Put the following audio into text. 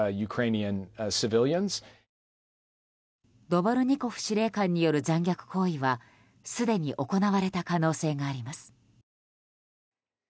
ドボルニコフ司令官による残虐行為はすでに行われた可能性があります。